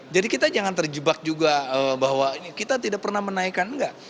jadi kita jangan terjebak juga bahwa kita tidak pernah menaikkan enggak